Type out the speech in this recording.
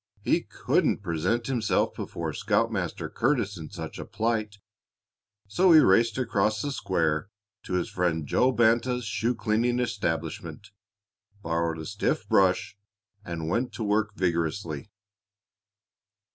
He couldn't present himself before Scoutmaster Curtis in such a plight, so he raced across the square to his friend Joe Banta's shoe cleaning establishment, borrowed a stiff brush, and went to work vigorously.